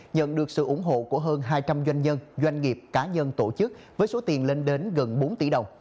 nhận được sự ủng hộ của hơn hai trăm linh doanh nhân doanh nghiệp cá nhân tổ chức với số tiền lên đến gần bốn tỷ đồng